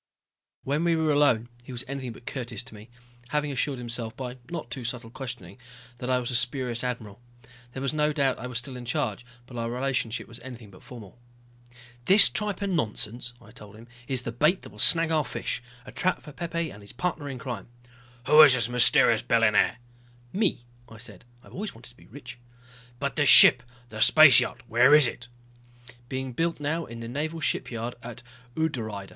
When we were alone he was anything but courteous to me, having assured himself by not too subtle questioning that I was a spurious admiral. There was no doubt I was still in charge, but our relationship was anything but formal. "This tripe and nonsense," I told him, "is the bait that will snag our fish. A trap for Pepe and his partner in crime." "Who is this mysterious billionaire?" "Me," I said. "I've always wanted to be rich." "But this ship, the space yacht, where is it?" "Being built now in the naval shipyard at Udrydde.